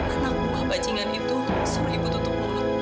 anak bapak jingan itu suruh ibu tutup mulut